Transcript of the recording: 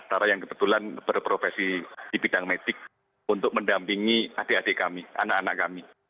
antara yang kebetulan berprofesi di bidang medik untuk mendampingi adik adik kami anak anak kami